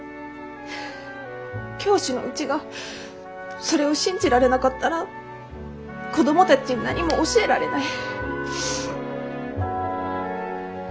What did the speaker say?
教師のうちがそれを信じられなかったら子供たちに何も教えられない。